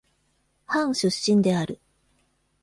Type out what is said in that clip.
ハン出身である。